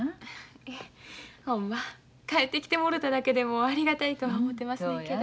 ええほんま帰ってきてもろただけでもありがたいとは思てますねんけど。